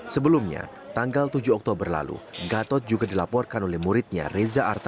sebelumnya tanggal tujuh oktober lalu gatot juga dilaporkan oleh muridnya reza arta